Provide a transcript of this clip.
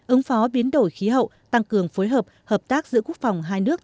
ứng phó biến đổi khí hậu tăng cường phối hợp hợp tác giữa quốc phòng hai nước